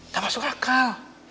gak masuk akal